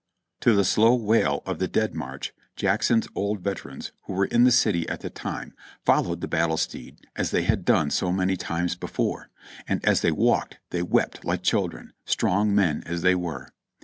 To the slow wail of the dead march Jackson's old veterans who were in the city at the time followed the battle steed as they had done so many times before ; and as they walked they wept like children, strong men as they were.